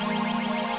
apa bangun fa